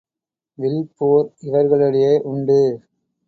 வில்போர் இவர்களிடையே உண்டு.